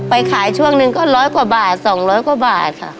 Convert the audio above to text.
ไปขายช่วงนึงก็ร้อยกว่าบาทสองร้อยกว่าบาทค่ะ